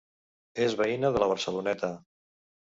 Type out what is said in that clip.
És veïna de La Barceloneta.